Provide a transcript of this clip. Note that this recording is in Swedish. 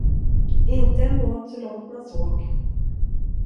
Inte en båt så långt man såg.